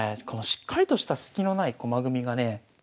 このしっかりとしたスキのない駒組みがね